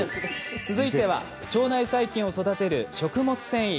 続いては、腸内細菌を育てる食物繊維。